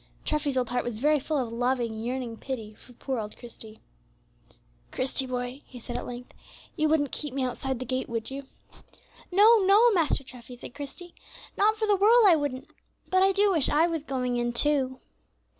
Treffy's old heart was very full of loving, yearning pity for poor little Christie. "Christie, boy," he said, at length, "you wouldn't keep me outside the gate; would you?" "No, no, Master Treffy," said Christie, "not for the world I wouldn't; but I do wish I was going in too."